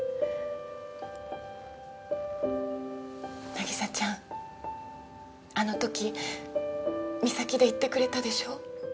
凪沙ちゃんあのとき岬で言ってくれたでしょ？